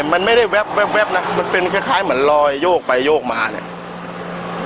มันไม่ได้แว๊บนะมันเป็นคล้ายเหมือนรอยโยกไปโยกมาเนี่ย